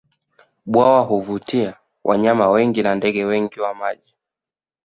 Bwawa huvutia wanyama wengi na ndege wengi wa maji